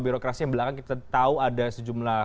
birokrasi yang belakang kita tahu ada sejumlah